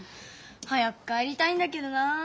早く帰りたいんだけどな。